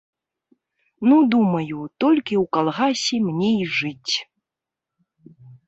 Ну, думаю, толькі ў калгасе мне і жыць.